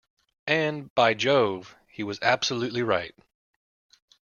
And, by Jove, he was absolutely right.